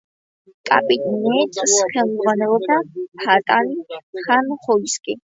კაბინეტს ხელმძღვანელობდა ფატალი ხან ხოისკი.